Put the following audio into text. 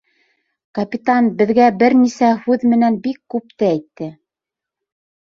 Капитан беҙгә бер нисә һүҙ менән бик күпте әйтте.